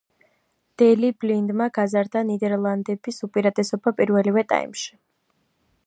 დელი ბლინდმა გაზარდა ნიდერლანდების უპირატესობა პირველივე ტაიმში.